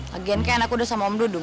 lagi lagi kan aku udah sama om dudung